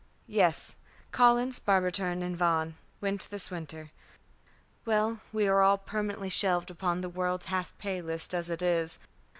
"Yes. Collins, Barberton, and Vaughan went this winter. Well, we are all permanently shelved upon the world's half pay list as it is.